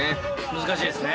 難しいですね。